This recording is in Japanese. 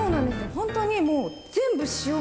ホントにもう。